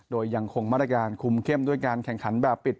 โดยยังคงมาตรการคุมเข้มด้วยการแข่งขันแบบปิด